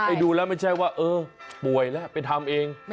ดูแล้วไม่ใช่ว่าเออป่วยแล้วไปทำเอง